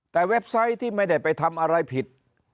แต่เว็บไซต์ที่ไม่ได้ไปทำอะไรผิด